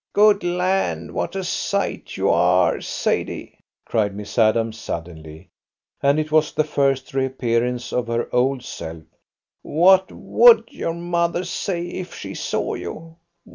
"Good land, what a sight you are, Sadie!" cried Miss Adams suddenly, and it was the first reappearance of her old self. "What would your mother say if she saw you?